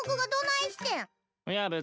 いや別に。